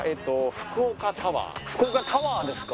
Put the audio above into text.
福岡タワーですか。